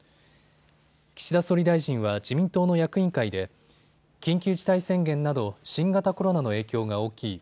岸田総理大臣は自民党の役員会で緊急事態宣言など新型コロナの影響が大きい。